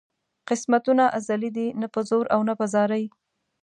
قسمتونه ازلي دي نه په زور او نه په زارۍ.